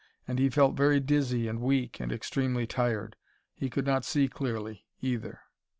And he felt very dizzy and weak and extremely tired.... He could not see clearly, either.